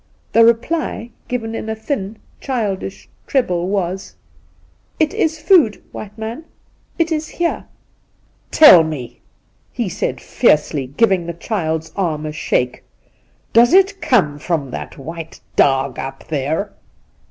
The reply, given in a thin, childish treble, was: ' It is food, white man ! It is here !'' Tell me !' he said fiercely, giving the child's arm a shake, ' does it come from that white dog up there